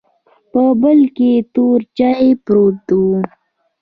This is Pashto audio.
په بل کې تور چاې پروت و.